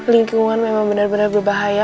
lingkungan memang bener bener berbahaya